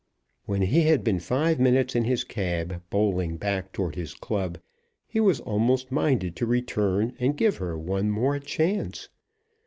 When he had been five minutes in his cab, bowling back towards his club, he was almost minded to return and give her one more chance.